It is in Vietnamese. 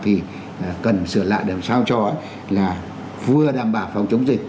thì cần sửa lại để làm sao cho ấy là vừa đảm bảo phòng chống dịch